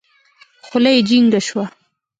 خوله يې جينګه سوه.